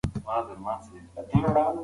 سره اشاره د دریدو لپاره ده.